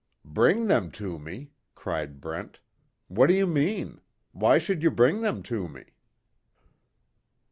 "Bring them to me!" cried Brent, "What do you mean? Why should you bring them to me?"